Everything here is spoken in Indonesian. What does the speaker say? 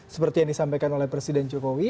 seperti yang disampaikan oleh presiden jokowi